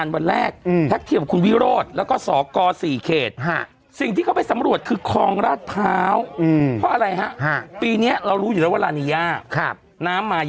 วันนี้คุณวิโรตเมื่อกว่าเขาออกมาปุ๊บก็มีการโทรศัพท์หาคุณอัศวิน